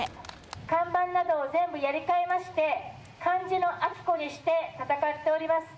看板などを全部やり替えまして、漢字の亜紀子にして戦っております。